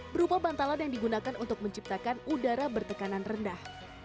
berupa bantalan yang digunakan untuk menciptakan udara bertekanan rendah